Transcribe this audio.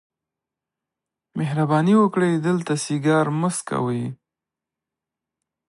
مهرباني وکړئ دلته سیګار مه څکوئ.